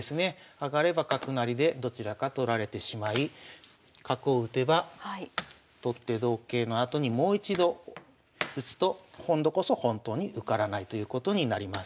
上がれば角成りでどちらか取られてしまい角を打てば取って同桂のあとにもう一度打つと今度こそ本当に受からないということになります。